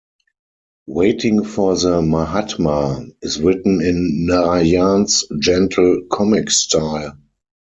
"Waiting for the Mahatma" is written in Narayan's gentle comic style.